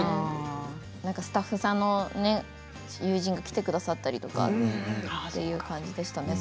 スタッフさんの友人が来てくださったりとかという感じでしたね